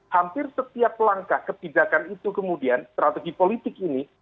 hampir setiap langkah kebijakan itu kemudian strategi politik ini